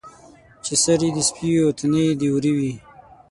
چې سر یې د سپي وي او تنه یې د وري وي.